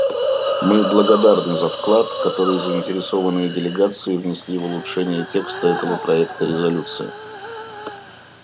Мы благодарны за вклад, который заинтересованные делегации внесли в улучшение текста этого проекта резолюции.